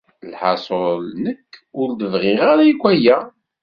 Lḥaṣul nekk ur d-bɣiɣ ara akk aya!